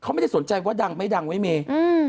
เขาไม่ได้สนใจว่าดังไม่ดังเว้เมย์